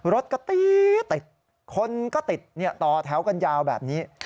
รถก็ตี๊ดติดคนก็ติดต่อแถวกันยาวแบบนี้